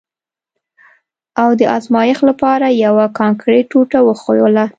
ما د ازمایښت لپاره یوه د کانکریټ ټوټه وښویوله